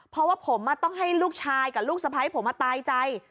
เพราะว่าผมต้องให้ลูกชายกับลูกสะพ้ายผมมาตายใจ